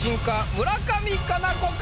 村上佳菜子か？